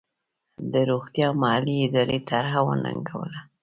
د روغتیا محلي ادارې طرحه وننګوله.